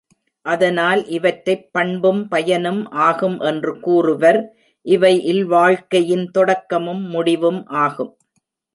அதனால் இவற்றைப் பண்பும் பயனும் ஆகும் என்று கூறுவர் இவை இல்வாழ்க்கையின் தொடக்கமும் முடிவும் ஆகும்.